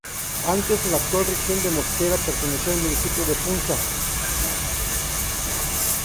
Antes, la actual región de Mosquera pertenecía al municipio de Funza.